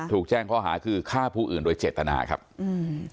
ถูกแจ้งข้อหาคือฆ่าผู้อื่นโดยเจตนาครับอืม